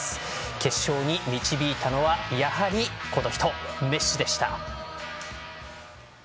決勝に導いたのはやはりこの人、メッシでした。